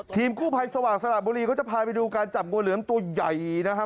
ทีมกู้ภัยสว่างสระบุรีเขาจะพาไปดูการจับงูเหลือมตัวใหญ่นะครับ